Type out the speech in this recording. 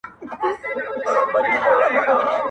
په ځواني شاعري کي موندلي او ستایلي